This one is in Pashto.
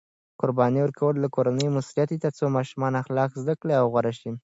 قرباني ورکول د کورنۍ مسؤلیت دی ترڅو ماشومان اخلاق زده کړي او غوره شي.